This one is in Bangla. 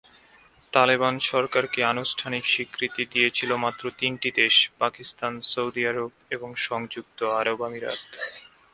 তালেবান সরকারকে আনুষ্ঠানিক স্বীকৃতি দিয়েছিলো মাত্র তিনটি দেশ: পাকিস্তান, সৌদি আরব এবং সংযুক্ত আরব আমিরাত।